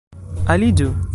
aliĝu